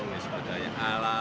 mengenai sepeda alam